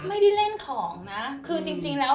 ไม่ได้เล่นของนะคือจริงแล้ว